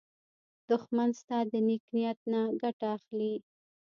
دښمن ستا د نېک نیت نه ګټه اخلي